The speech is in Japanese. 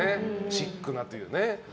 シックなというね。